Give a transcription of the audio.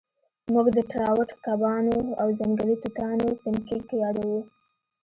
موږ د ټراوټ کبانو او ځنګلي توتانو پینکیک یادوو